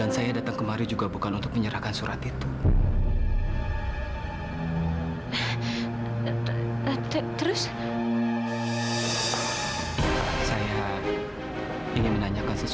sampai jumpa di video selanjutnya